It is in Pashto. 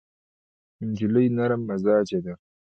نجلۍ نرم مزاجه ده.